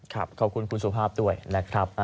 ขอบคุณคุณสุภาพด้วยนะครับ